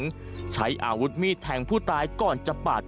สวัสดีครับ